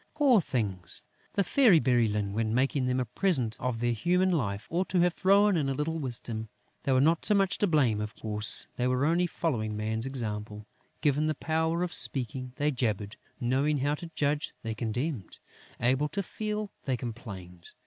Poor things! The Fairy Bérylune, when making them a present of their human life, ought to have thrown in a little wisdom. They were not so much to blame. Of course, they were only following Man's example. Given the power of speaking, they jabbered; knowing how to judge, they condemned; able to feel, they complained.